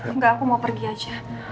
enggak aku mau pergi aja